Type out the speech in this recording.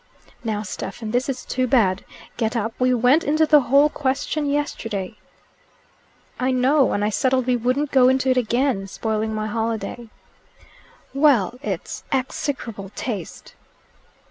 "Now, Stephen, this is too bad. Get up. We went into the whole question yesterday." "I know; and I settled we wouldn't go into it again, spoiling my holiday." "Well, it's execrable taste."